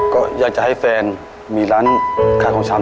ก็อยากจะให้แฟนมีร้านขายของชำ